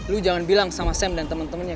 lo jangan bilang sama sam dan temen temennya